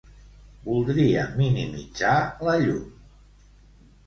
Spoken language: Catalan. Voldria minimitzar la llum.